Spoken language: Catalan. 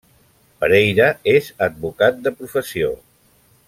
Pereira és advocat de professió.